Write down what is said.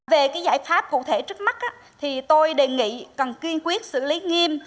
về giải pháp cụ thể trước mắt tôi đề nghị cần kiên quyết xử lý nghiêm